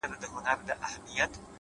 د زنده گۍ ياري كړم؛